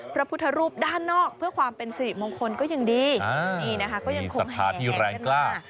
พระพุทธภูมิด้านนอกเพื่อความเป็นสถิติมงคลก็ยังดีนี่นะคะก็ยังคงแหนะ